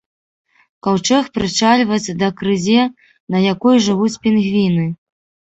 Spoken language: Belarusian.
Каўчэг прычальваць да крызе, на якой жывуць пінгвіны.